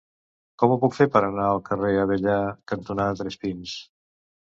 Com ho puc fer per anar al carrer Avellà cantonada Tres Pins?